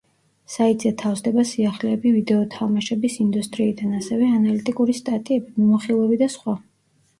საიტზე თავსდება სიახლეები ვიდეო თამაშების ინდუსტრიიდან, ასევე ანალიტიკური სტატიები, მიმოხილვები და სხვა.